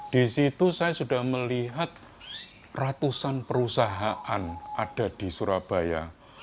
di situ saya sudah melihat ratusan perut yang berada di tengah kota surabaya